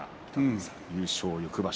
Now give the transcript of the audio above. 優勝の翌場所。